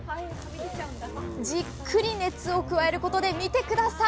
じっくり熱を加えることで見て下さい！